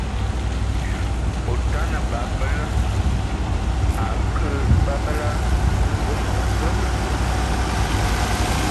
Otana, babela a a akǝ babǝla vom mfǝ.